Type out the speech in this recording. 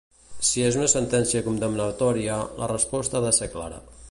Si és una sentència condemnatòria, la resposta ha de ser clara.